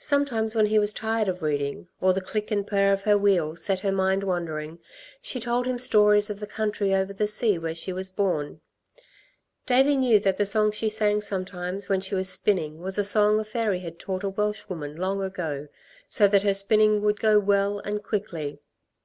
Sometimes when he was tired of reading, or the click and purr of her wheel set her mind wandering, she told him stories of the country over the sea where she was born. Davey knew that the song she sang sometimes when she was spinning was a song a fairy had taught a Welshwoman long ago so that her spinning would go well and quickly.